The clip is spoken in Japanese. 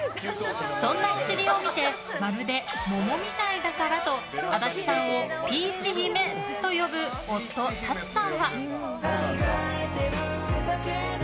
そんなお尻を見てまるで桃みたいだからと足立さんをピーチ姫と呼ぶ夫・ＴＡＴＳＵさんは。